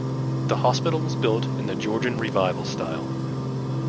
The hospital was built in the Georgian Revival style.